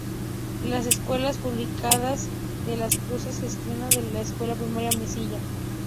Las Escuelas Públicas de Las Cruces gestiona la Escuela Primaria Mesilla.